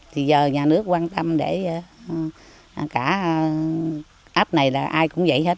thì giờ nhà nước quan tâm để cả ấp này là ai cũng vậy hết